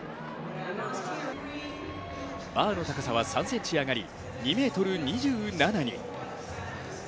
バーの高さは３ｃｍ上がり２ｍ２７に。